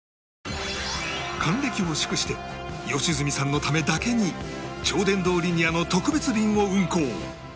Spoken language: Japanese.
還暦を祝して良純さんのためだけに超電導リニアの特別便を運行